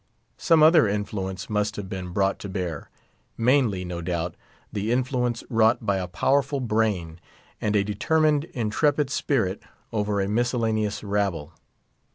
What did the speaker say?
Some other influence must have been brought to bear; mainly, no doubt, the influence wrought by a powerful brain, and a determined, intrepid spirit over a miscellaneous rabble.